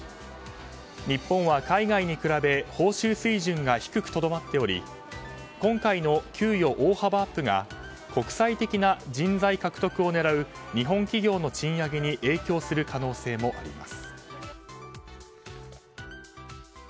日本は海外に比べ報酬水準が低くとどまっており今回の給与大幅アップが国際的な人材獲得を狙う日本企業の賃上げに影響する可能性もあります。